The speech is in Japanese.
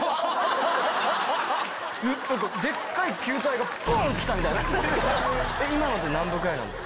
でっかい球体がボン！って来たみたいな。